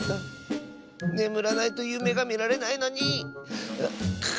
ねむらないとゆめがみられないのに！